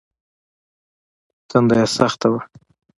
تنده يې سخته وه.